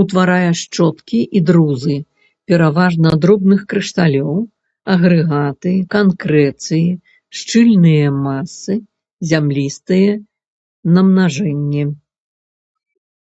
Утварае шчоткі і друзы пераважна дробных крышталёў, агрэгаты, канкрэцыі, шчыльныя масы, зямлістыя намнажэнні.